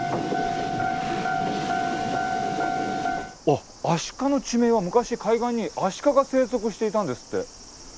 あ「海鹿」の地名は昔海岸にアシカが生息していたんですって。